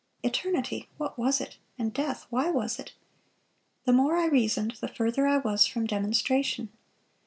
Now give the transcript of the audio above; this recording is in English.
Eternity—what was it? And death—why was it? The more I reasoned, the further I was from demonstration.